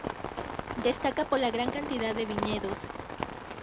Destaca por la gran cantidad de viñedos.